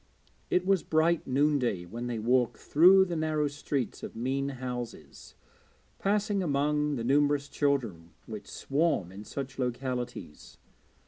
It was bright noonday when they walked through the narrow streets of mean houses, passing among the numerous children which swarm in such localities.